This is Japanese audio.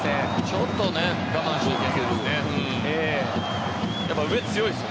ちょっと我慢しなければいけないですね。